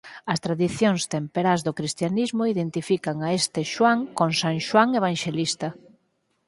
As tradicións temperás do cristianismo identifican a este Xoán con San Xoán Evanxelista.